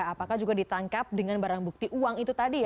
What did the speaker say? apakah juga ditangkap dengan barang bukti uang itu tadi ya